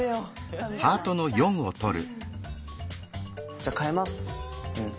じゃあ換えます！